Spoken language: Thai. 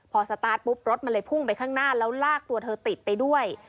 พอสตาร์ทปุ๊บรถมันเลยพุ่งไปข้างหน้าแล้วลากตัวเธอติดไปด้วย